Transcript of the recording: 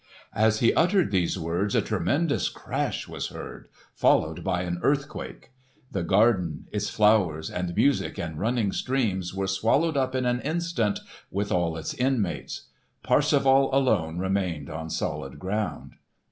As he uttered these words a tremendous crash was heard, followed by an earthquake. The garden, its flowers and music and running streams, were swallowed up in an instant, with all its inmates. Parsifal alone remained on solid ground.